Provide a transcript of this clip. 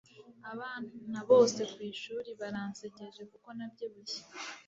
Abana bose kwishuri baransekeje kuko nabyibushye.